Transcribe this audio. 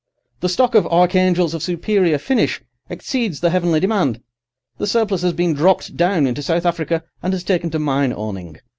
The stock of archangels of superior finish exceeds the heavenly demand; the surplus has been dropped down into South Africa and has taken to mine owning.